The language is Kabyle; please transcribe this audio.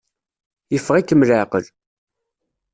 Yeffeɣ-ikem leɛqel.